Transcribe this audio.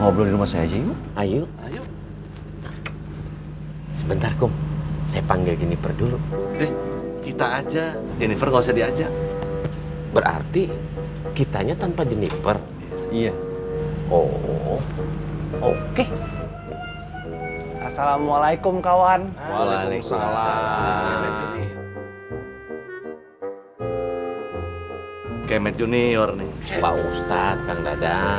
kita harus tanyain diana